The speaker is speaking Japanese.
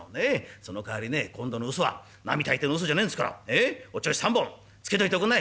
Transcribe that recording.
そのかわりね今度のウソは並大抵のウソじゃねえんすからお銚子３本つけといておくんない！」。